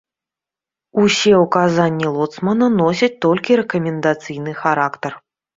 Усе ўказанні лоцмана носяць толькі рэкамендацыйны характар.